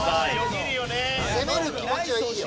攻める気持ちはいいよ。